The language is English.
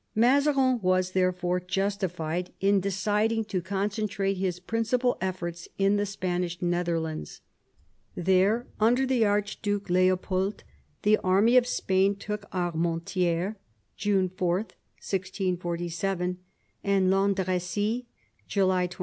Mazarin was, therefore, justified in deciding to con centrate his principal efforts in the Spanish Netherlands. There, under the Archduke Leopold, the army of Spain took Armenti^res (June 4, 1647) and Landrecies (July 28).